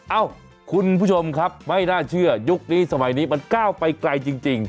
เอ้าคุณผู้ชมครับไม่น่าเชื่อยุคนี้สมัยนี้มันก้าวไปไกลจริง